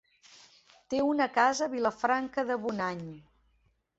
Té una casa a Vilafranca de Bonany.